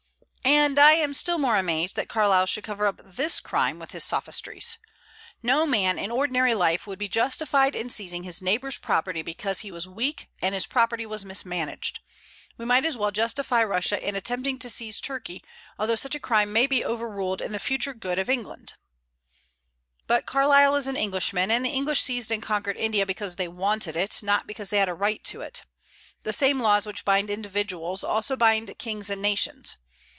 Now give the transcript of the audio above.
And I am still more amazed that Carlyle should cover up this crime with his sophistries. No man in ordinary life would be justified in seizing his neighbor's property because he was weak and his property was mismanaged. We might as well justify Russia in attempting to seize Turkey, although such a crime may be overruled in the future good of Europe. But Carlyle is an Englishman; and the English seized and conquered India because they wanted it, not because they had a right to it. The same laws which bind individuals also binds kings and nations.